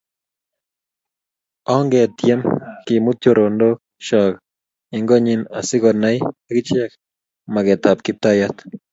Ongetyem kemut chorondok chok eng konyi asikonai akiche makeet ab Kiptayat